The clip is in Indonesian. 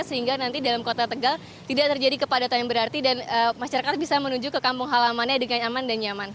sehingga nanti dalam kota tegal tidak terjadi kepadatan yang berarti dan masyarakat bisa menuju ke kampung halamannya dengan aman dan nyaman